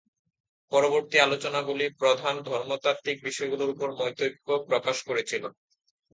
পরবর্তী আলোচনাগুলি প্রধান ধর্মতাত্ত্বিক বিষয়গুলির উপর মতৈক্য প্রকাশ করেছিল।